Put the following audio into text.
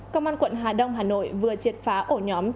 công an quận hà đông hà nội vừa triệt phá ổn định